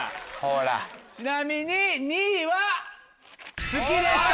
ちなみに２位は「好き」でした。